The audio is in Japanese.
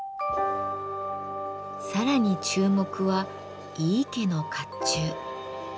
さらに注目は井伊家の甲冑。